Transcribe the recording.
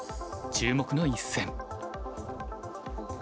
注目の一戦。